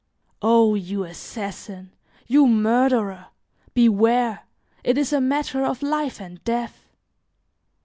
O you assassin! You murderer! beware! it is a matter of life and death."